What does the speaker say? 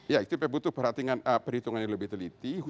ya itu butuh perhitungan yang lebih teliti